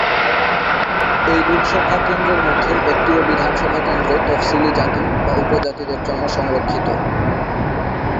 এই লোকসভা কেন্দ্রের মধ্যে একটিও বিধানসভা কেন্দ্র তফসিলী জাতি বা উপজাতিদের জন্য সংরক্ষিত।